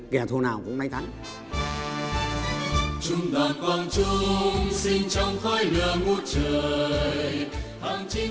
kẻ thù nào cũng may thắng